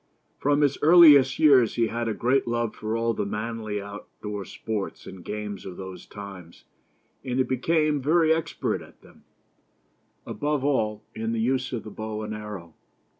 From his earliest years he had a great love for all the manly out door sports and games of those times, and he became very expert at them ; above all, in the use of the bow and arrow.